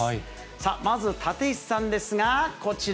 さあ、まず立石さんですが、こちら。